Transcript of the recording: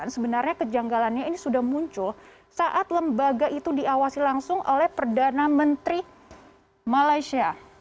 sebenarnya kejanggalannya ini sudah muncul saat lembaga itu diawasi langsung oleh perdana menteri malaysia